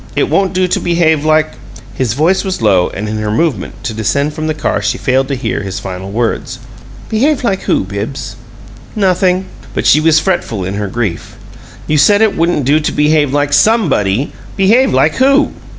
It won't do to behave like " His voice was low, and in her movement to descend from the car she failed to hear his final words. "Behave like who, Bibbs?" "Nothing." But she was fretful in her grief. "You said it wouldn't do to behave like SOMEBODY. Behave like WHO?"